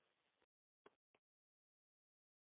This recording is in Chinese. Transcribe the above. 科罗拉多镇区为美国堪萨斯州林肯县辖下的镇区。